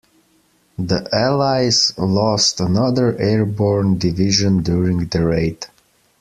The allies lost another airborne division during the raid.